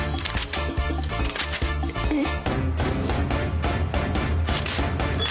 えっ？